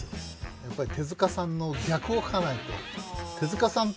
やっぱり手さんの逆を描かないと。